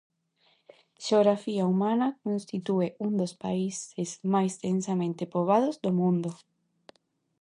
Xeografía humana Constitúe un dos países máis densamente poboados do mundo.